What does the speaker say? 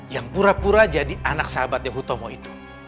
yang pura pura jadi anak sahabatnya hutomo itu